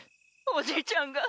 おじいちゃんが。